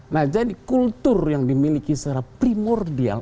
nah jadi kultur yang dimiliki secara primordial